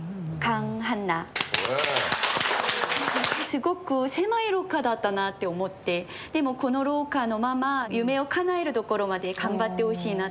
すごく狭い廊下だったなって思ってでもこの廊下のまま夢を叶えるところまで頑張ってほしいなと。